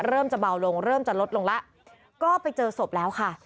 จะเบาลงเริ่มจะลดลงแล้วก็ไปเจอศพแล้วค่ะ